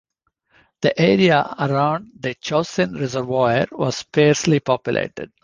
The area around the Chosin Reservoir was sparsely populated.